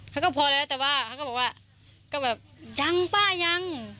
เขาก็พอแล้วแต่ว่าเขาก็บอกว่าก็แบบยังป้ายัง